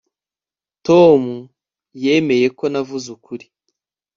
tom yemeye ko navuze ukuri